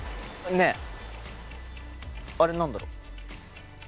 ねっ、あれ、何だろう？